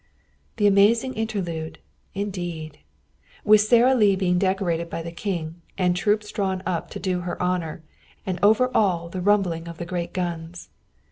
The amazing interlude, indeed! With Sara Lee being decorated by the King, and troops drawn up to do her honor, and over all the rumbling of the great guns.